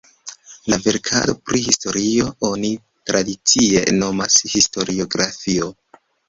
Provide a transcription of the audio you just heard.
La verkadon pri historio oni tradicie nomas historiografio.